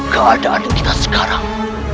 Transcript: keadaan kita sekarang